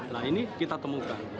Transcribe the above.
nah ini kita temukan